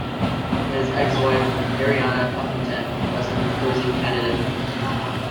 His ex-wife, Arianna Huffington, was an opposing candidate.